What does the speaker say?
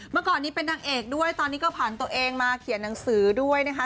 เมื่อก่อนนี้เป็นนางเอกด้วยตอนนี้ก็ผ่านตัวเองมาเขียนหนังสือด้วยนะคะ